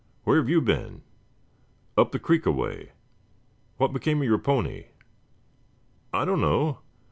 Where have you been?" "Up the creek a way. What became of your pony?" "I don't know.